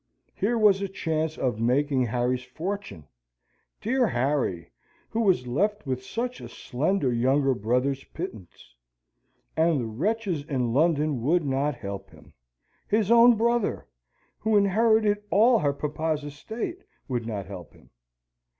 Here was a chance of making Harry's fortune dear Harry, who was left with such a slender younger brother's; pittance and the wretches in London would not help him; his own brother, who inherited all her papa's estate, would not help him.